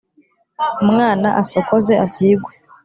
umwana asokoze asigwe